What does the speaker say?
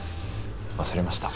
忘れました。